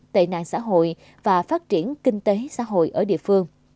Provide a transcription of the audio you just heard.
tệ nạn xã hội và phát triển kinh tế xã hội ở địa phương